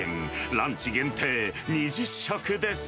ランチ限定２０食です。